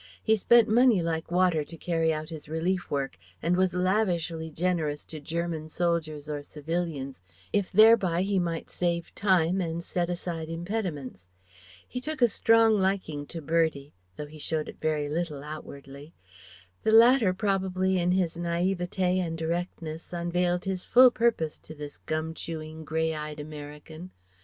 He spent money like water to carry out his relief work and was lavishly generous to German soldiers or civilians if thereby he might save time and set aside impediments. He took a strong liking to Bertie, though he showed it little outwardly. The latter probably in his naïveté and directness unveiled his full purpose to this gum chewing, grey eyed American.